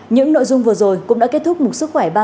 những nội dung vừa rồi cũng đã kết thúc mục sức khỏe ba mươi sáu